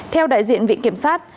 theo đại diện vị kiểm sát